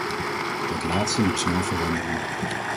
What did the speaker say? Dat laatste moet snel veranderen.